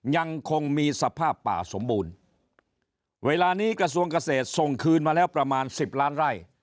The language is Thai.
ยังคงมีสภาพป่าสมบูรณ์เวลานี้กระทรวงเกษตรส่งคืนมาแล้วประมาณสิบล้านไร่